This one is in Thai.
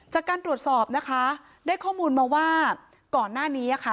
จากการตรวจสอบนะคะได้ข้อมูลมาว่าก่อนหน้านี้ค่ะ